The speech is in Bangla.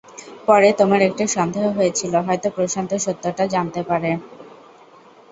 পরে, তোমার একটা সন্দে হয়েছিল, হয়তো প্রশান্ত সত্যটা জানতে পারে।